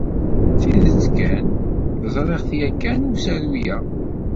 Tidet kan, ẓriɣ-t yakan usaru-ya.